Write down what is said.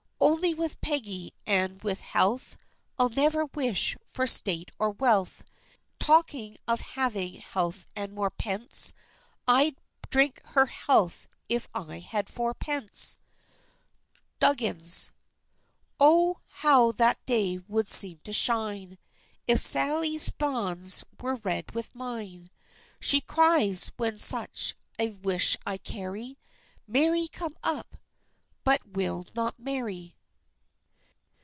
Only with Peggy and with health, I'd never wish for state or wealth; Talking of having health and more pence, I'd drink her health if I had fourpence! DUGGINS. Oh, how that day would seem to shine, If Sally's banns were read with mine; She cries, when such a wish I carry, "Marry come up!" but will not marry.